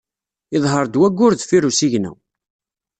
Iḍher-d wayyur deffir usigna.